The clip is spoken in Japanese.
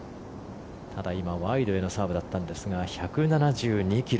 ただ、今ワイドへのサーブだったんですが１７２ｋｍ。